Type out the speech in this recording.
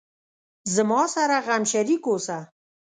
زما سره غم شریک اوسه